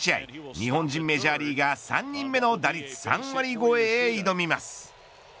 日本人メジャーリーガー３人目の打率３割超えへ挑みます。